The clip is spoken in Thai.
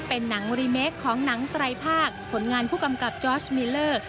เป็นหนังรีเมคของหนังไตรภาคผลงานผู้กำกับจอร์ชมิลเลอร์